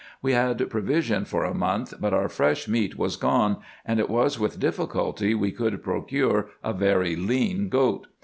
We had provision for a month, but our fresh meat was gone, and it was with difficulty we could procure a very lean goat.